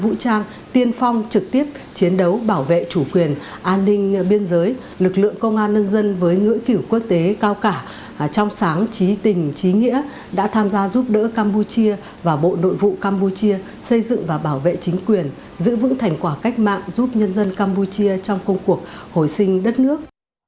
với công an nhân dân vũ trang tiên phong trực tiếp chiến đấu bảo vệ chủ quyền an ninh biên giới lực lượng công an nhân dân với ngưỡi kiểu quốc tế cao cả trong sáng trí tình trí nghĩa đã tham gia giúp đỡ campuchia và bộ nội vụ campuchia xây dựng và bảo vệ chính quyền giữ vững thành quả cách mạng giúp nhân dân campuchia trong công cuộc hồi sinh đất nước